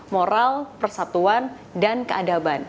moral persatuan dan keadaban